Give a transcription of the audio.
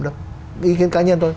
đó là ý kiến cá nhân tôi